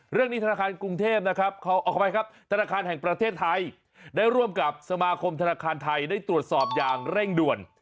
ธนาคารกรุงเทพนะครับขออภัยครับธนาคารแห่งประเทศไทยได้ร่วมกับสมาคมธนาคารไทยได้ตรวจสอบอย่างเร่งด่วน